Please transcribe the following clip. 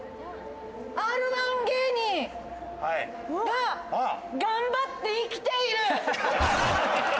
Ｒ−１芸人が頑張って生きている！